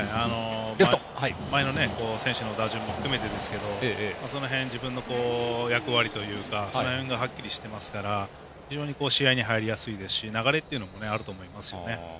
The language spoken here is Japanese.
前の選手の打順も含めてですけどその辺、自分の役割というかその辺がはっきりしてますから非常に試合に入りやすいですし流れっていうのもあると思いますね。